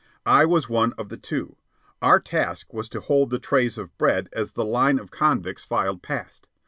I was one of the two. Our task was to hold the trays of bread as the line of convicts filed past.